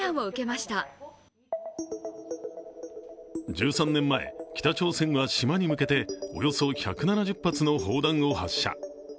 １３年前、北朝鮮は島に向けておよそ１７０発の砲弾を発射。